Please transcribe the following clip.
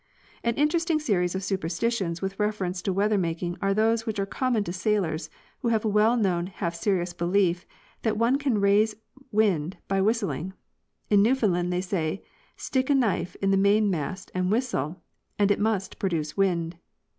An interesting series of superstitions with reference to weather making are those which are common to sailors, who haye a well known half serious belief that one can raise wind by whis tling. In Newfoundland they say, " Stick a knife in the main mast and whistle, and it must produce wind."